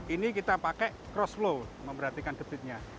ini kita pakai cross flow memperhatikan debitnya